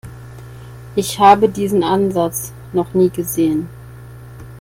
Ich habe diesen Ansatz noch nie gesehen.